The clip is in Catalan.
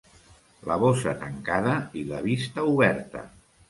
La bossa tancada i la vista oberta.